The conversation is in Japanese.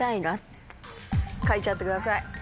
書いちゃってください。